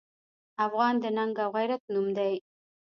افغان د ننګ او غیرت نوم دی.